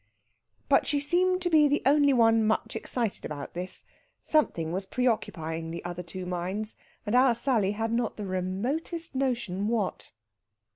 But she seemed to be the only one much excited about this. Something was preoccupying the other two minds, and our Sally had not the remotest notion what.